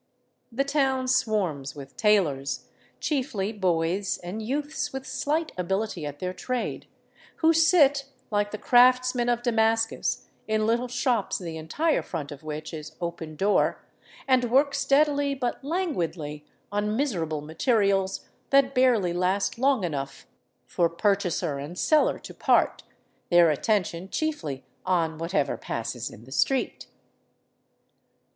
The town swarms with tailors, chiefly boys and youths with slight ability at their trade, who sit, like the crafts men of Damascus, in little shops the entire front of which is open door, and work steadily but languidly on miserable materials that barely last long enough for purchaser and seller to part, their attention chiefly on whatever passes in the street.